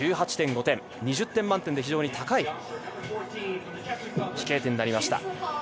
１８．５点、２０点満点で非常に高い飛型点になりました。